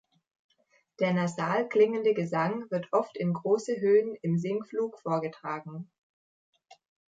Der nasal klingende Gesang wird oft in große Höhen im Singflug vorgetragen.